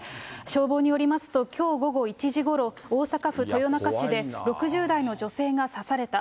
消防によりますと、きょう午後１時ごろ、大阪府豊中市で、６０代の女性が刺された。